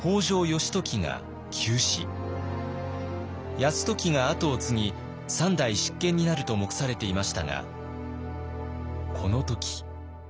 泰時が跡を継ぎ３代執権になると目されていましたがこの時。